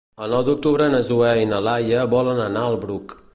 El nou d'octubre na Zoè i na Laia volen anar al Bruc.